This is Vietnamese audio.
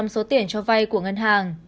chín mươi ba số tiền cho vai của ngân hàng